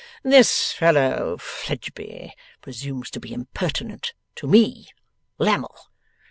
This fellow, Fledgeby, presumes to be impertinent to me, Lammle.